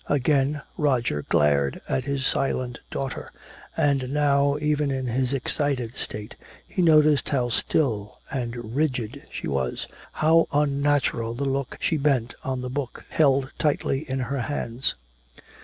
Again Roger glared at his silent daughter. And now, even in his excited state, he noticed how still and rigid she was, how unnatural the look she bent on the book held tightly in her hands.